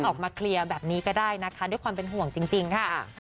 ออกมาเคลียร์แบบนี้ก็ได้นะคะด้วยความเป็นห่วงจริงค่ะ